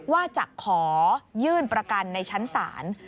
ว่าจะขอยื่นประกันในชั้นศาล